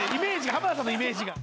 浜田さんのイメージが。